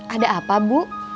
ada apa bu